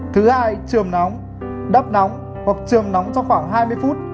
thứ hai trường nóng đất nóng hoặc trường nóng trong khoảng hai mươi phút